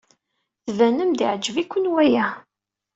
Tbanem-d yeɛjeb-iken waya.